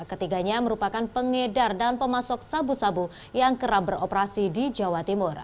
ketiganya merupakan pengedar dan pemasok sabu sabu yang kerap beroperasi di jawa timur